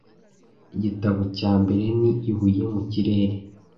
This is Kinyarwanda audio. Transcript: Igitabo cya mbere ni ibuye mu kirere